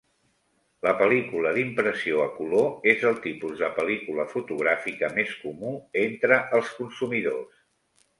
La pel·lícula d'impressió a color és el tipus de pel·lícula fotogràfica més comú entre els consumidors.